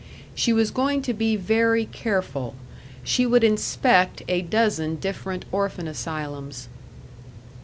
She was going to be very careful. She would inspect a dozen different orphan asylums.